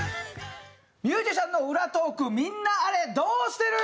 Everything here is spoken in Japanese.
「ミュージシャンの裏トーク皆アレどうしてる？」。